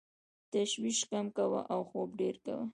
تشویش کم کوه او خوب ډېر کوه .